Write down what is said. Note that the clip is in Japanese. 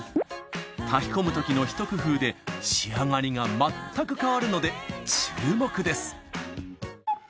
炊き込むときのひと工夫で仕上がりがまったく変わるので注目です